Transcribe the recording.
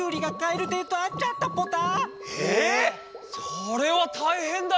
それはたいへんだ！